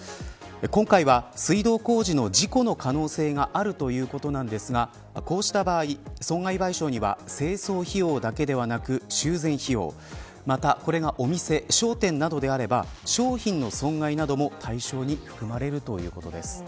今回は水道工事の事故の可能性があるということですがこうした場合、損害賠償には清掃費用だけではなく、修繕費用また、これがお店や商店などであれば商品の損害なども対象に含まれるということです。